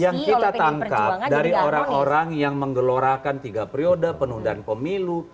yang kita tangkap dari orang orang yang menggelorakan tiga periode penundaan pemilu